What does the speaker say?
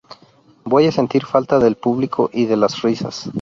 Voy a sentir falta del público y de las risas.